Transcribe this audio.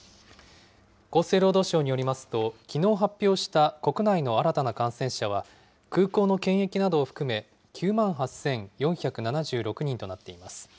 厚生労働省によりますと、きのう発表した国内の新たな感染者は、空港の検疫などを含め、９万８４７６人となっています。